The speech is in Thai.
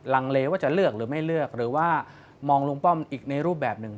ลังเลว่าจะเลือกหรือไม่เลือกหรือว่ามองลุงป้อมอีกในรูปแบบหนึ่ง